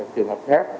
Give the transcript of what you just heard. trường hợp khác